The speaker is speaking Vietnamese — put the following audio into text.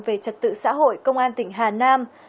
về trật tự xã hội công an tỉnh hà nam